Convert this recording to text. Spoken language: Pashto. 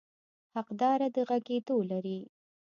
حقداره د غږېدو لري.